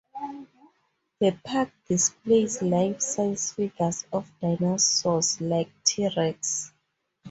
The park displays life size figures of dinosaurs like T-Rex.